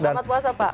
selamat puasa pak